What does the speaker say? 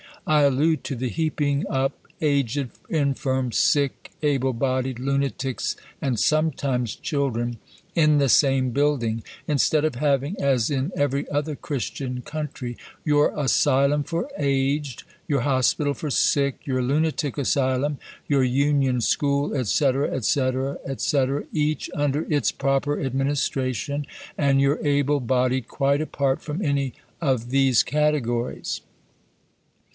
I allude to the heaping up aged, infirm, sick, able bodied, lunatics, and sometimes children in the same building instead of having, as in every other Christian country, your asylum for aged, your hospital for sick, your lunatic asylum, your union school, &c., &c., &c., each under its proper administration, and your able bodied quite apart from any of these categories.